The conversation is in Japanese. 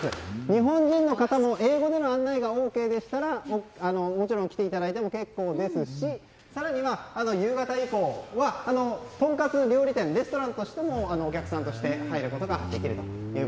日本人の方も英語での案内がＯＫでしたらもちろん来ていただいても結構ですし更には夕方以降はとんかつ料理店にお客さんとして入ることもできます。